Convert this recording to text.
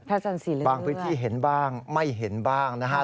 เล็กบางพื้นที่เห็นบ้างไม่เห็นบ้างนะฮะ